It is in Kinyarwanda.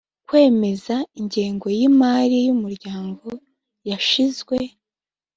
kwemeza ingengo y imari y umuryango yashinzwe